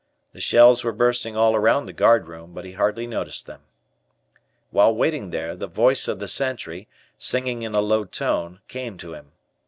The shells were bursting all around the guardroom, but he hardly noticed them. While waiting there, the voice of the sentry, singing in a low tone, came to him.